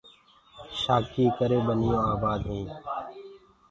شآکيٚ ڪري ٻنيونٚ آبآد هينٚ۔